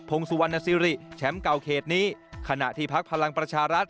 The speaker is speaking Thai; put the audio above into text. งสุวรรณสิริแชมป์เก่าเขตนี้ขณะที่พักพลังประชารัฐ